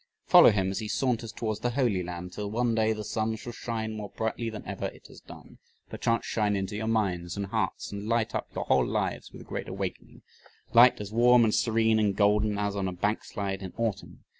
Follow him as "he saunters towards the holy land till one day the sun shall shine more brightly than ever it has done, perchance shine into your minds and hearts and light up your whole lives with a great awakening, light as warm and serene and golden as on a bankside in autumn."